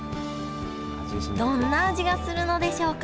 どんな味がするのでしょうか？